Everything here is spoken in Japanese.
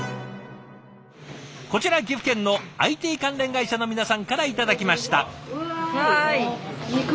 こちら岐阜県のＩＴ関連会社の皆さんから頂きました。